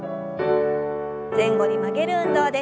前後に曲げる運動です。